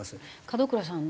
門倉さん